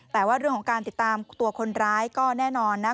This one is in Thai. แต่ว่าเรื่องของการติดตามตัวคนร้ายก็แน่นอนนะ